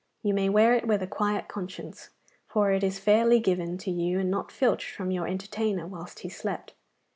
You may wear it with a quiet conscience, for it is fairly given to you and not filched from your entertainer whilst he slept.